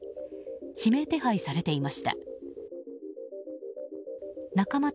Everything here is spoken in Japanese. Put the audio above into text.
指名手配されていました。